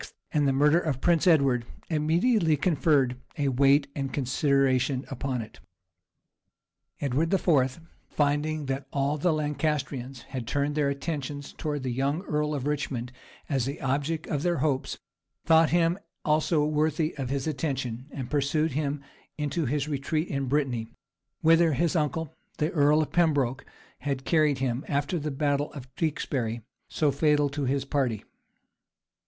and the murder of Prince Edward, immediately conferred a weight and consideration upon it. Edward IV., finding that all the Lancastrians had turned their attention towards the young earl of Richmond as the object of their hopes, thought him also worthy of his attention; and pursued him into his retreat in Brittany, whither his uncle, the earl of Pembroke, had carried him, after the battle of Tewkesbury, so fatal to his party.